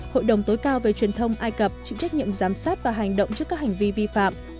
hội đồng tối cao về truyền thông ai cập chịu trách nhiệm giám sát và hành động trước các hành vi vi phạm